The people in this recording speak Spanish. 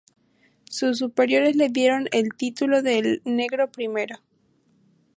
Sus superiores le dieron el título de El Negro Primero.